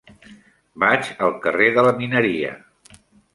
Vaig al carrer de la Mineria.